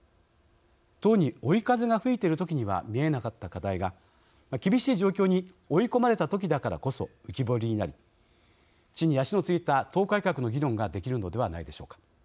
党に追い風が吹いているときには見えなかった課題が厳しい状況に追い込まれたときだからこそ浮き彫りになり地に足のついた党改革の議論ができるのではないでしょうか。